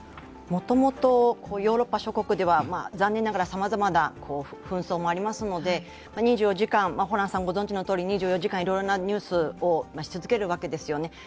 もともとヨーロッパ諸国では残念ながらさまざまな紛争もありますので２４時間いろいろなニュースをし続けるわけですよね。